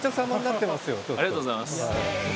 ありがとうございます。